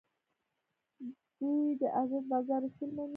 دوی د ازاد بازار اصول مني.